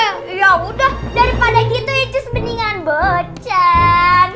hei yaudah daripada gitu iucis mendingan bocan